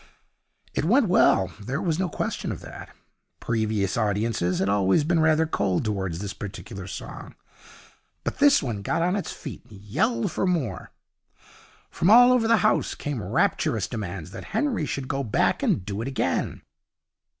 It went well; there was no question of that. Previous audiences had always been rather cold towards this particular song, but this one got on its feet and yelled for more. From all over the house came rapturous demands that Henry should go back and do it again.